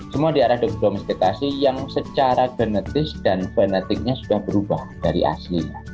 semua diarah didomestikasi yang secara genetis dan fenotiknya sudah berubah dari aslinya